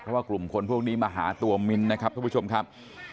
เพราะว่ากลุ่มคนพวกนี้มาหาตัวมิ้นนะครับทุกผู้ชมครับ